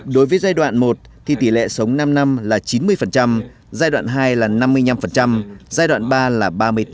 đối với giai đoạn một thì tỷ lệ sống năm năm là chín mươi giai đoạn hai là năm mươi năm giai đoạn ba là ba mươi tám